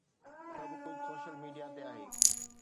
سڀ ڪجهه social media تي آهي